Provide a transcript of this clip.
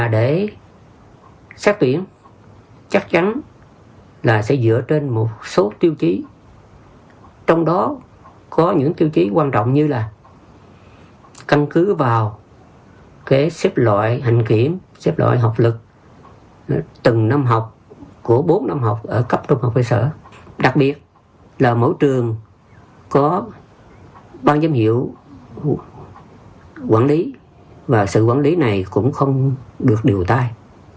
đặc biệt là mỗi trường có ban giám hiệu quản lý và sự quản lý này cũng không được đều tay